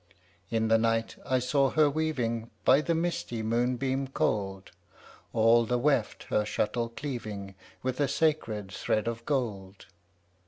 In the night I saw her weaving By the misty moonbeam cold, All the weft her shuttle cleaving With a sacred thread of gold.